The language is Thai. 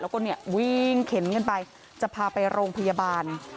แล้วก็เนี่ยวิ่งเข็นกันไปจะพาไปโรงพยาบาล